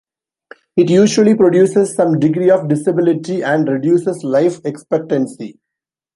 It usually produces some degree of disability and reduces life expectancy.